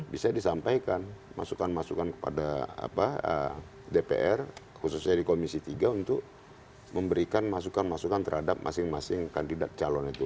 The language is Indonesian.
bisa disampaikan masukan masukan kepada dpr khususnya di komisi tiga untuk memberikan masukan masukan terhadap masing masing kandidat calon itu